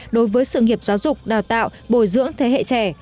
đối với sự nghiệp giáo dục đào tạo bồi dưỡng thế hệ trẻ